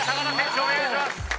お願いします。